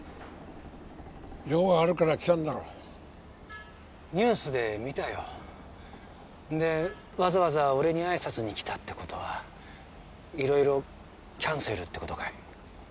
用があるから来たんだろニュースで見たよでわざわざ俺に挨拶に来たってことは色々キャンセルってことかい？